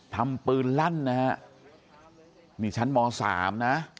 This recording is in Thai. ทำปืนลั่นนะฮะนี่ชั้นม๓นะ